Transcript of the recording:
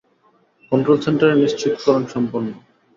Control সেন্টারের নিশ্চিতকরণ সম্পন্ন।